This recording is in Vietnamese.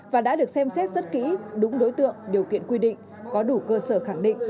và đã được xem xét rất kỹ đúng đối tượng điều kiện quy định có đủ cơ sở khẳng định